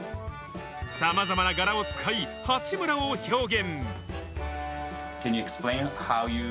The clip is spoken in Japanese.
さまざまな柄を使い、八村を表現。